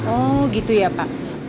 oh gitu ya pak